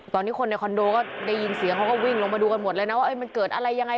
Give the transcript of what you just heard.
ตอนนี้คนในคอนโดก็ได้ยินเสียงเขาก็วิ่งลงมาดูกันหมดเลยนะว่ามันเกิดอะไรยังไง